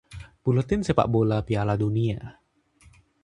buletin sepak bola Piala Dunia